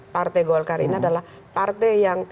partai golkar ini adalah partai yang